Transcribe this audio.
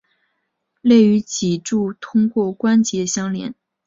肋与脊柱通过关节相连。